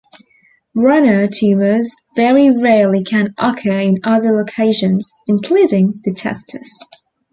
Brenner tumours very rarely can occur in other locations, including the testes.